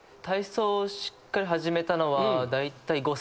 体操をしっかり始めたのはだいたい。